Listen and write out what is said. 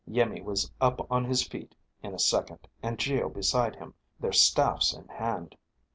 Iimmi was up on his feet in a second, and Geo beside him, their staffs in hand.